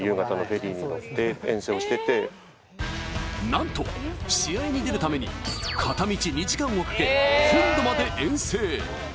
なんと試合に出るために片道２時間をかけ本土まで遠征。